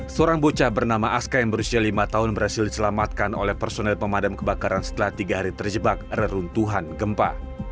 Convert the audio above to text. seorang bocah bernama aska yang berusia lima tahun berhasil diselamatkan oleh personel pemadam kebakaran setelah tiga hari terjebak reruntuhan gempa